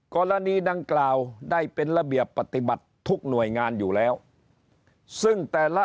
กรณีดังกล่าวได้เป็นระเบียบปฏิบัติทุกหน่วยงานอยู่แล้วซึ่งแต่ละ